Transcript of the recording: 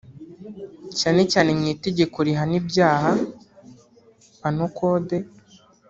cyane cyane mu itegeko rihana ibyaha (penal code)